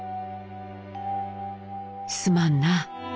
「すまんな」